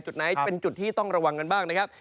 จุดไหนเป็นจุดที่ต้องระวังกันบ้างนะครับ